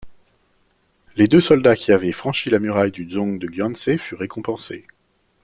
Les deux soldats qui avaient franchi la muraille du dzong de Gyantsé furent récompensés.